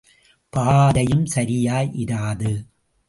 பாதையும் சரியாய் இராது.